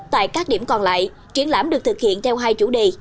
tại các điểm còn lại triển lãm được thực hiện theo hai chủ đề